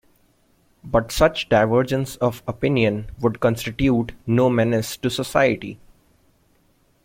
But such divergence of opinion would constitute no menace to society.